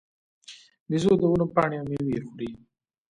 بیزو د ونو پاڼې او مېوې خوري.